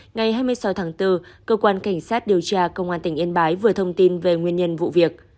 ngày hai mươi sáu tháng bốn cơ quan cảnh sát điều tra công an tỉnh yên bái vừa thông tin về nguyên nhân vụ việc